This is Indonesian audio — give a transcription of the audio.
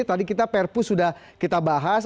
tadi kita perpu sudah kita bahas